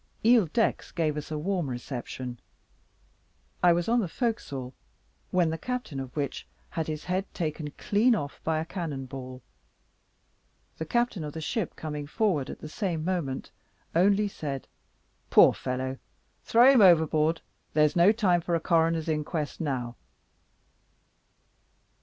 Isle d'Aix gave us a warm reception. I was on the forecastle, the captain of which had his head taken clean off, by a cannon ball; the captain of the ship coming forward at the same moment, only said, "Poor fellow! throw him overboard; there is no time for a coroner's inquest now."